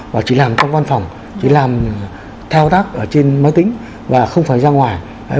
và chỉ làm trong văn phòng chỉ làm thao tác ở trên máy tính và không phải ra ngoài